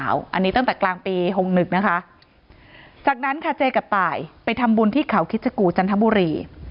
อันนี้ตั้งแต่กลางปี๖๑นะคะจากนั้นค่ะเจกับตายไปทำบุญที่เขาคิดจกูจันทบุรี